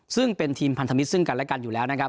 ซึ่งเป็นทีมพันธมิตรซึ่งกันและกันอยู่แล้วนะครับ